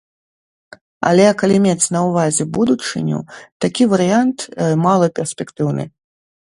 Але калі мець на ўвазе будучыню, такі варыянт малаперспектыўны.